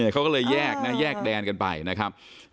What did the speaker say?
เขาก็เลยแยกนะแยกแดนกันไปนะครับ